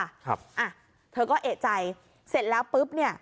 ครับอ่ะเธอก็เอกใจเสร็จแล้วปุ๊บเนี่ย